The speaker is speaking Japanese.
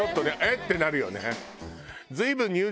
ってなるよね。